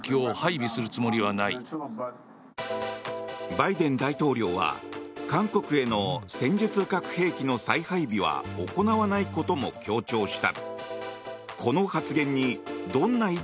バイデン大統領は韓国への戦術核兵器の再配備は行わないことも強調した。